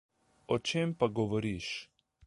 O čem pa govoriš?